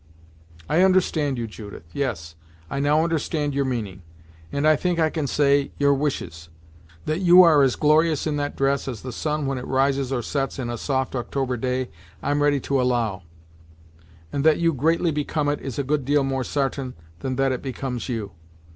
"I understand you, Judith yes, I now understand your meaning, and I think I can say, your wishes. That you are as glorious in that dress as the sun when it rises or sets in a soft October day, I'm ready to allow, and that you greatly become it is a good deal more sartain than that it becomes you.